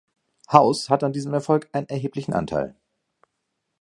House hatte an diesem Erfolg einen erheblichen Anteil.